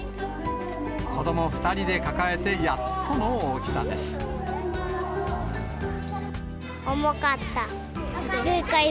こども２人で抱えてやっとの大き重かった。